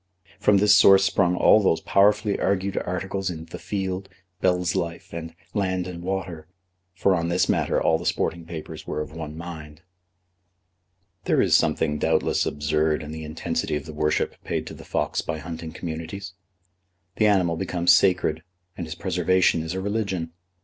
From this source sprung all those powerfully argued articles in The Field, Bell's Life, and Land and Water; for on this matter all the sporting papers were of one mind. There is something doubtless absurd in the intensity of the worship paid to the fox by hunting communities. The animal becomes sacred, and his preservation is a religion.